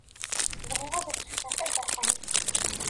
Bɣiɣ ad s-fkeɣ tabaḥant.